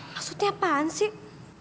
maksudnya apaan sih